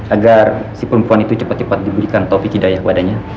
agar si perempuan itu cepat cepat diberikan taufikidaya kepadanya